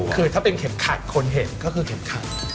คือถ้าเป็นเข็มขัดคนเห็นก็คือเข็มขัด